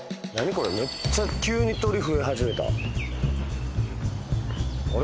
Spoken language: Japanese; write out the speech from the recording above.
これめっちゃ急に鳥増え始めたあれ？